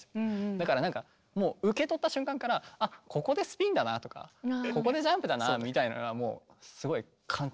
だからもう受け取った瞬間からあっここでスピンだなとかここでジャンプだなみたいなのはもうすごい簡単に浮かびましたね